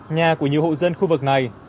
nhà của nhiều hộ dân khu vực này